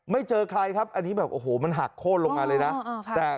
เจอใครครับอันนี้แบบโอ้โหมันหักโค้นลงมาเลยนะ